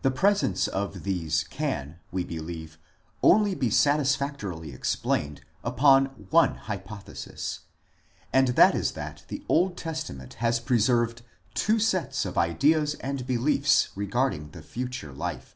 The presence of these can, we believe, only be satisfactorily explained upon one hypothesis, and that is that the Old Testament has preserved two sets of ideas and beliefs re garding the future life.